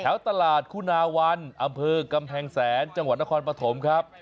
ตลาดคุณาวันอำเภอกำแพงแสนจังหวัดนครปฐมครับ